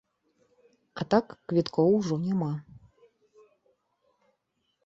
А так, квіткоў ужо няма.